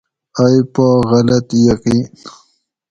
ائی پا غلط یقین